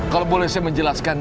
kalau boleh saya menjelaskan